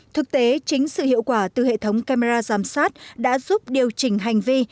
thực tế chính sự hiệu quả từ hệ thống camera giám sát đã giúp điều chỉnh hành vi